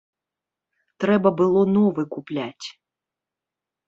Трэба было новы купляць.